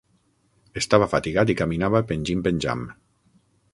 Estava fatigat i caminava pengim-penjam.